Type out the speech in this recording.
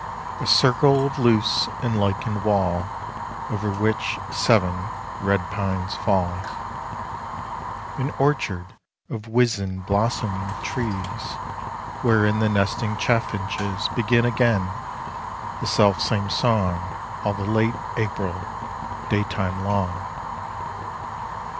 A circle of loose and lichened wall Over which seven red pines fall.... An orchard of wizen blossoming trees Wherein the nesting chaffinches Begin again the self same song All the late April day time long....